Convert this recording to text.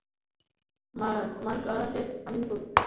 Margaret, আমি বললে তুমি ফুল পাওয়ার দেবে।